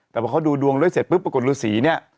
แต่พอเขาดูดวงด้วยเสร็จปุ๊บปรากฏฤษีเนี่ย